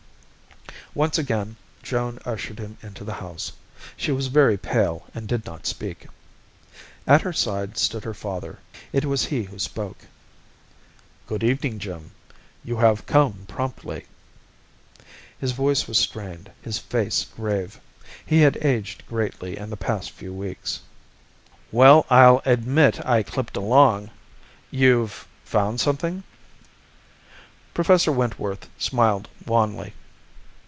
Once again, Joan ushered him into the house. She was very pale and did not speak. At her side stood her father. It was he who spoke. "Good evening, Jim. You have come promptly." His voice was strained, his face grave. He had aged greatly in the past few weeks. "Well I'll admit I clipped along. You've found something?" Professor Wentworth smiled wanly.